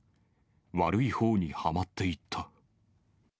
悪いほうにはまっていった。